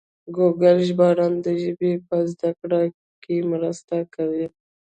ګوګل ژباړن د ژبې په زده کړه کې مرسته کوي.